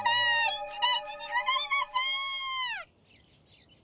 一大事にございます！